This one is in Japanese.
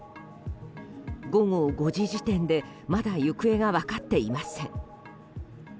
午後５時時点でまだ行方が分かっていません。